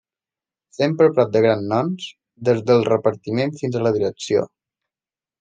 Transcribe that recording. Sempre a prop de grans noms, des del repartiment fins a la direcció.